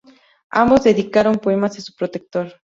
Ambos dedicaron poemas a su protector.